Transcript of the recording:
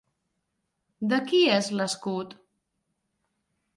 De qui és l'escut?